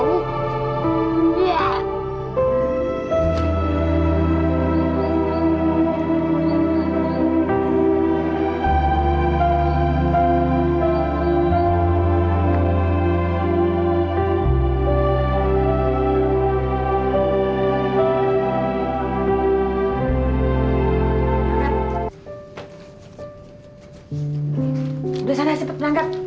udah sana cepet berangkat